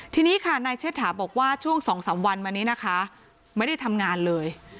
ที่นี้ค่ะนักเช็คถามบอกว่าช่วงสองสามวันวันนี้นะคะไม่ได้ทำงานเลย